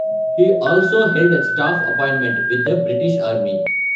He also held a staff appointment with the British Army.